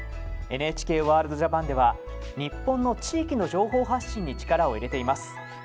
ＮＨＫワールドＪＡＰＡＮでは日本の地域の情報発信に力を入れています。